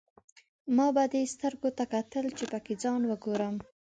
ما به دې سترګو ته کتل، چې پکې ځان وګورم.